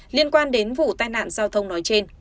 liên quan đến vụ tai nạn giao thông nói trên